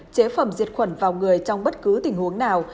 chế phẩm diệt khuẩn vào người trong bất cứ tình huống nào